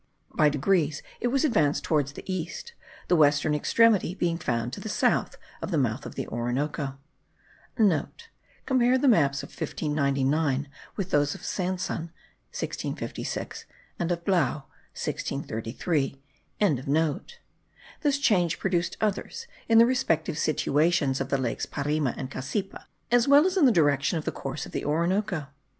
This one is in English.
By degrees it was advanced toward the east,* the western extremity being found to the south of the mouth of the Orinoco. (* Compare the maps of 1599 with those of Sanson (1656) and of Blaeuw (1633).) This change produced others in the respective situations of the lakes Parima and Cassipa, as well as in the direction of the course of the Orinoco.